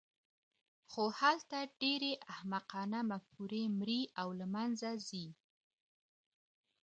خو هلته ډېرې احمقانه مفکورې مري او له منځه ځي.